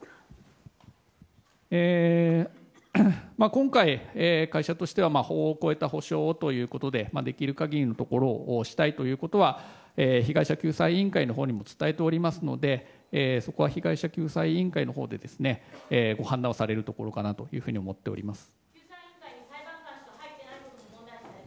今回、会社としては法を超えた補償をということでできる限りのところをしたいということは被害者救済委員会のほうに伝えておりますのでそこは被害者救済委員会のほうでご判断をされるところかなと思っております。